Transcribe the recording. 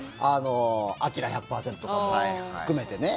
アキラ１００％とかも含めてね。